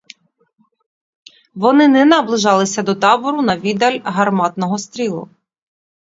Вони не наближалися до табору на віддаль гарматного стрілу.